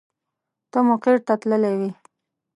ته مقر ته تللې وې.